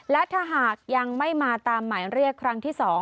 และถ้าหากยังไม่มาตามหมายเรียกครั้งที่๒